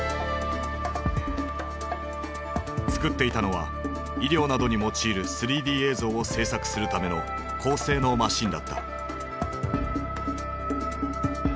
作っていたのは医療などに用いる３Ｄ映像を制作するための高性能マシンだった。